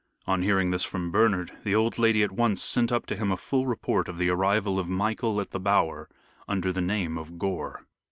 On hearing this from Bernard, the old lady at once sent up to him a full report of the arrival of Michael at the Bower under the name of Gore.